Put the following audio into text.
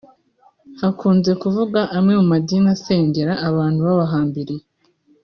Hakunze kuvugwa amwe mu madini asengera abantu babahambiriye